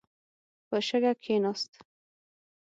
په شګه کښېناست.